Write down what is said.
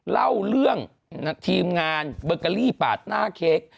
เล่าเรื่องทีมงานเบอร์เกอรี่ปาดหน้าเค้ก